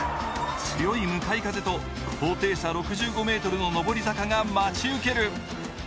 強い向かい風と高低差６５ｍの上り坂が待ち受ける。